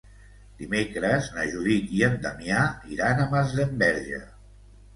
Dimecres na Judit i en Damià iran a Masdenverge.